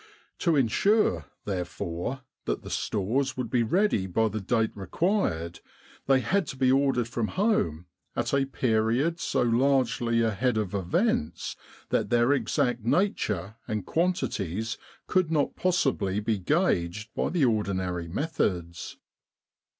To ensure, therefore, that the stores would be ready by the date required, they had to be ordered from home at a period so largely ahead of events that their exact nature and quantities could not possibly be gauged by the ordinary methods.